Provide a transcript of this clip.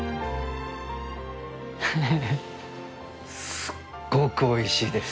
すっごくおいしいです。